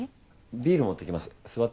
ビール持ってきます座ってて。